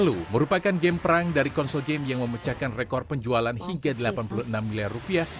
lalu merupakan game perang dari konsol game yang memecahkan rekor penjualan hingga delapan puluh enam miliar rupiah